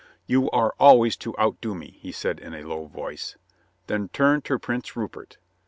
"You are always to outdo me," he said in a low voice. Then turned to Prince Rupert.